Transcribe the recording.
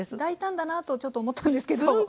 大胆だなとちょっと思ったんですけど。